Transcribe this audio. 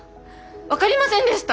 分かりませんでした？